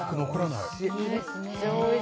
いいですね